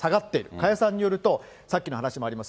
加谷さんによると、さっきの話でもあります。